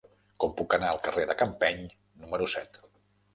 Com puc anar al carrer de Campeny número set?